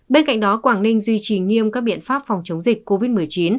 bên cạnh đó quảng ninh duy trì nghiêm các biện pháp phòng chống dịch covid một mươi chín